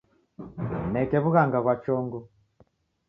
Nineke wughanga ghwa chongo.